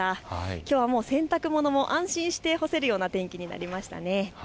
きょうはもう洗濯物も安心して干せるような天気になりましたね。